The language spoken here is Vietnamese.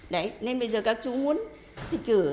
đấy nên bây giờ các chú muốn thịt cửa